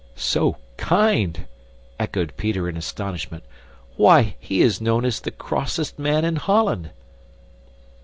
"SO KIND!" echoed Peter in astonishment. "Why, he is known as the crossest man in Holland!"